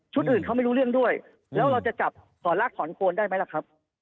อื่นเขาไม่รู้เรื่องด้วยแล้วเราจะจับสอนรากถอนโคนได้ไหมล่ะครับ